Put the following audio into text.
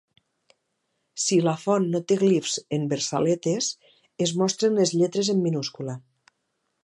Si la font no té glifs en versaletes, es mostren les lletres en minúscula.